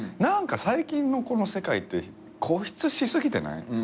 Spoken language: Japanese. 何か最近のこの世界って固執し過ぎてない？